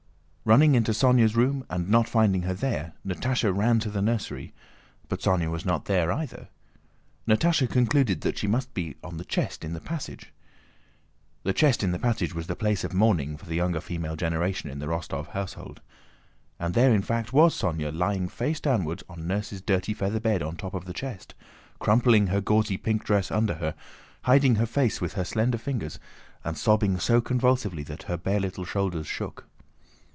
Running into Sónya's room and not finding her there, Natásha ran to the nursery, but Sónya was not there either. Natásha concluded that she must be on the chest in the passage. The chest in the passage was the place of mourning for the younger female generation in the Rostóv household. And there in fact was Sónya lying face downward on Nurse's dirty feather bed on the top of the chest, crumpling her gauzy pink dress under her, hiding her face with her slender fingers, and sobbing so convulsively that her bare little shoulders shook.